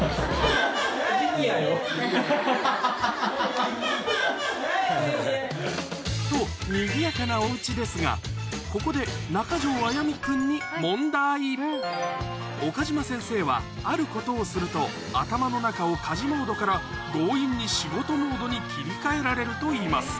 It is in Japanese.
ハハハハハ。とにぎやかなお家ですがここで中条あやみ君に岡嶋先生はあることをすると頭の中を家事モードから強引に仕事モードに切り替えられるといいます